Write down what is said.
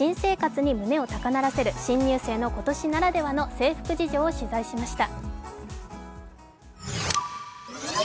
胸を高鳴らせる新入生に、今年ならではの制服事情を取材しました。